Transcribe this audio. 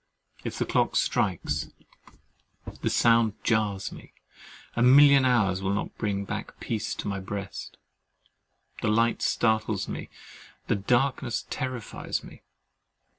If the clock strikes, the sound jars me; a million of hours will not bring back peace to my breast. The light startles me; the darkness terrifies me.